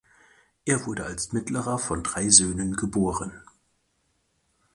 Er wurde als mittlerer von drei Söhnen geboren.